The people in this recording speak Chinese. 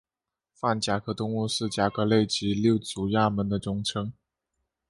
泛甲壳动物是甲壳类及六足亚门的总称。